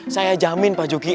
saya jamin pak yuki